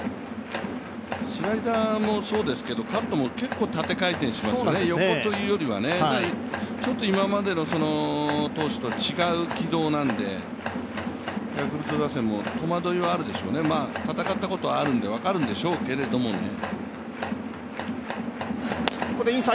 スライダーもそうですけど、カットも結構縦回転しますね、横というよりはね、ちょっと今までの投手と違う軌道なんで、ヤクルト打線も戸惑いはあるでしょうね、戦ったことはあるので、分かるんでしょうけれどもね。